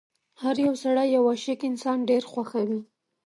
هر يو سړی یو عاشق انسان ډېر خوښوي.